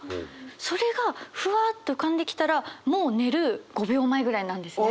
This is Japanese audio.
それがふわっと浮かんできたらもう寝る５秒前ぐらいなんですね